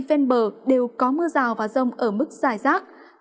ven bờ đều có mưa rào và rông ở mức dài rác